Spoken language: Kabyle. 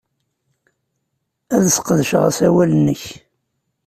Ad sqedceɣ asawal-nnek.